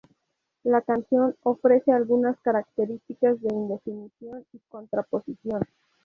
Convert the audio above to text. La canción ofrece algunas características de indefinición y contraposición.